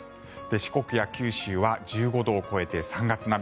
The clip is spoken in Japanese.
四国や九州は１５度を超えて３月並み